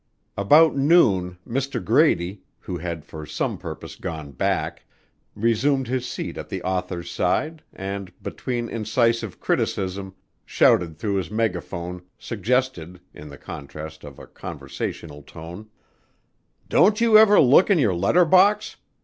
About noon Mr. Grady, who had for some purpose gone "back," resumed his seat at the author's side and, between incisive criticism shouted through his megaphone, suggested, in the contrast of a conversational tone, "Don't you ever look in your letter box?